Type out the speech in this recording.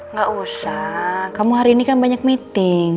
nggak usah kamu hari ini kan banyak meeting